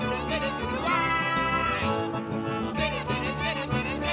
「ぐるぐるぐるぐるぐるぐるわい！」